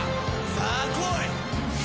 さあこい！